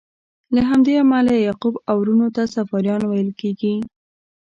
له همدې امله یعقوب او وروڼو ته صفاریان ویل کیږي.